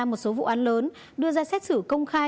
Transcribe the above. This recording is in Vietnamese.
một số vụ án lớn đưa ra xét xử công khai